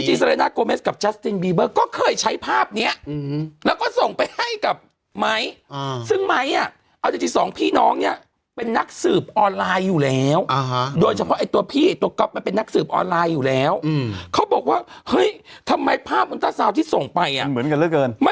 ซาเรน่าโกเมสกับจัสตินบีเบอร์ก็เคยใช้ภาพนี้แล้วก็ส่งไปให้กับไม้ซึ่งไม้อ่ะเอาจริงสองพี่น้องเนี่ยเป็นนักสืบออนไลน์อยู่แล้วโดยเฉพาะไอ้ตัวพี่ตัวก๊อฟมันเป็นนักสืบออนไลน์อยู่แล้วเขาบอกว่าเฮ้ยทำไมภาพอินเตอร์ซาวน์ที่ส่งไปอ่ะเหมือนกันเหลือเกิน